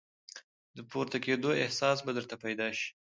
د پورته کېدو احساس به درته پیدا شي !